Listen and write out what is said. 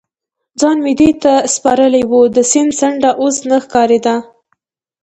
ځان مې دې ته سپارلی و، د سیند څنډه اوس نه ښکارېده.